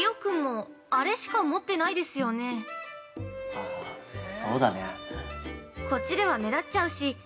◆あぁ、そうだね。